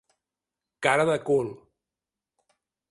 Cara de cul.